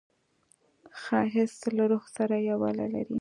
ښایست له روح سره یووالی لري